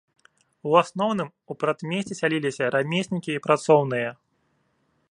У асноўным у прадмесці сяліліся рамеснікі і працоўныя.